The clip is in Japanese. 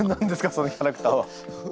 そのキャラクターは。